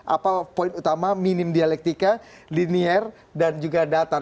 apa poin utama minim dialektika linier dan juga datar